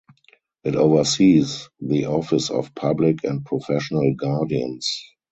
It oversees the Office of Public and Professional Guardians.